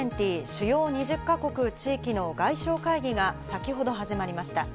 Ｇ２０＝主要２０か国地域の外相会議が先ほど始まりました。